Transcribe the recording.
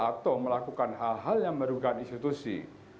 atau melakukan hal hal yang merugikan institusi